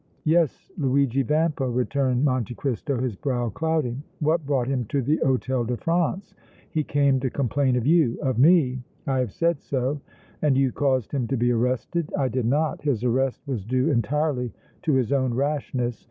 "Yes, Luigi Tampa," returned Monte Cristo, his brow clouding. "What brought him to the Hôtel de France?" "He came to complain of you!" "Of me?" "I have said so." "And you caused him to be arrested?" "I did not. His arrest was due entirely to his own rashness.